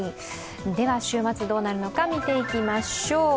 週末どうなるのか見ていきましょう。